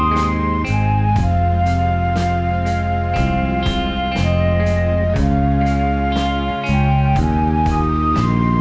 คุณหนุ่ยเป็นคมเงิน